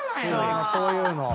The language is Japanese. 今そういうの。